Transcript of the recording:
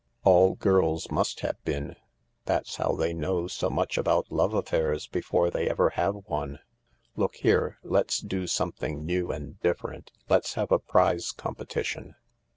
"All girls must have been. That's how they know so much about love affairs before they ever have one. Look here — let's do something new and different. Let's have a prize competition."